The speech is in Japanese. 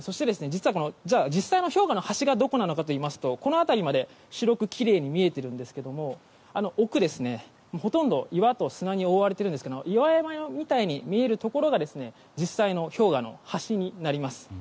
実際の氷河の端がどこなのかといいますとこの辺りまで白くきれいに見えているんですけどあの奥、ほとんど岩と砂に覆われているんですが岩山みたいに見えるところが実際の氷河の端になります。